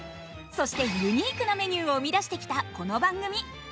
そしてユニークな料理を生み出してきたこの番組。